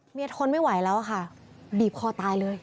ทนไม่ไหวแล้วค่ะบีบคอตายเลย